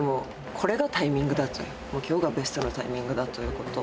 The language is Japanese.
今日がベストなタイミングだということだと思います。